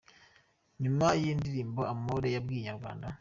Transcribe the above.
Nyuma y’iyi ndirimbo Amore yabwiye Inyarwanda.